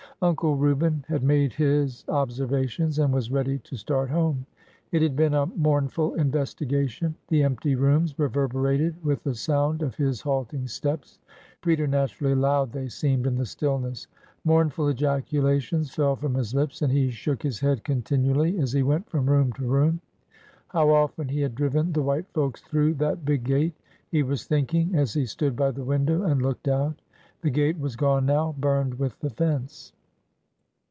Uncle Reuben had made his observations and was ready to start home. It had been a mournful investigation. The empty rooms reverberated with the sound of his halt ing steps, — preternaturally loud they seemed in the still ness. Mournful ejaculations fell from his lips and he shook his head continually as he went from room to room. How often he had driven the white folks through that big gate 1 he was thinking as he stood by the window and looked out. The gate was gone now— burned with the fence.